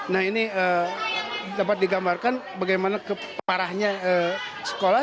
nah ini dapat digambarkan bagaimana keparahnya sekolah